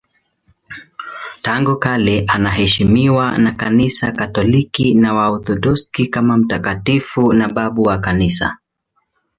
Tangu kale anaheshimiwa na Kanisa Katoliki na Waorthodoksi kama mtakatifu na babu wa Kanisa.